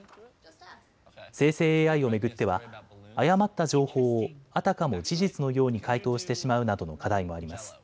生成ＡＩを巡っては誤った情報をあたかも事実のように回答してしまうなどの課題もあります。